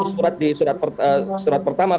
surat di surat pertama